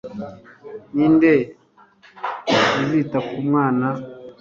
ninde uzita ku mwana